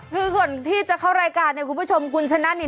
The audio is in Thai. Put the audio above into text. คือก่อนที่จะเข้ารายการเนี่ยคุณผู้ชมคุณชนะนี่